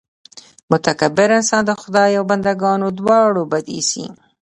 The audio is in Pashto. متکبر انسان د خدای او بندګانو دواړو بد اېسي.